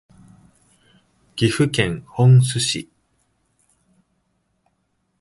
岐阜県本巣市